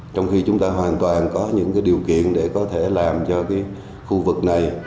trong khi chúng ta hoàn toàn có những điều kiện để có thể làm cho khu vực này